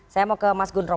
saya mau ke mas gundrom